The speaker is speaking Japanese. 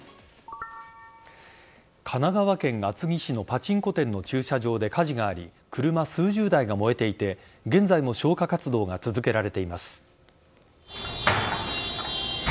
神奈川県厚木市のパチンコ店の駐車場で火事があり車数十台が燃えていて現在も消火活動が続けられています。